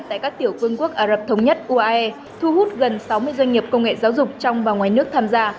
tại các tiểu quân quốc ả rập thống nhất uae thu hút gần sáu mươi doanh nghiệp công nghệ giáo dục trong và ngoài nước tham gia